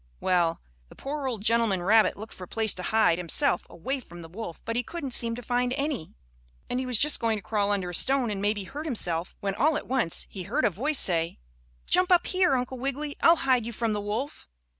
Well, the poor old gentleman rabbit looked for a place to hide himself away from the wolf but he couldn't seem to find any, and he was just going to crawl under a stone and maybe hurt himself, when all at once he heard a voice say: "Jump up here, Uncle Wiggily. I'll hide you from the wolf."